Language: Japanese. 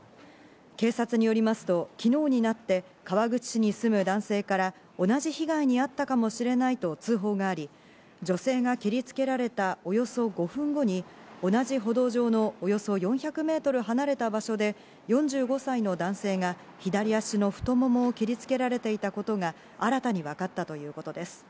警察によりますと、昨日になって、川口市に住む男性から、同じ被害にあったかもしれないと通報があり、女性が切りつけられたおよそ５分後に同じ歩道上のおよそ４００メートル離れた場所で、４５歳の男性が左足の太ももを切りつけられていたことが新たに分かったということです。